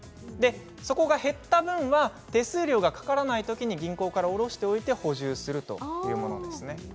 そこが減った分は手数料がかからないときに銀行からおろしておいて補充するというものですね。